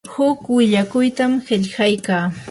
huk willakuytam qillqaykaa.